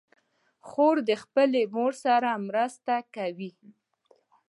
خور د خپلې مور مرسته کوي.